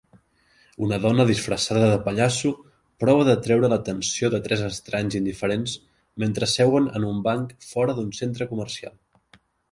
Una dona disfressada de pallasso prova d'atreure l'atenció de tres estranys indiferents mentre seuen en un banc fora d'un centre comercial